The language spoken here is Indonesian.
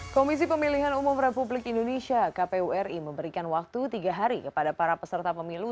komisi pemilihan umum republik indonesia kpu ri memberikan waktu tiga hari kepada para peserta pemilu